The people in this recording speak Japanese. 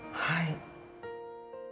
はい。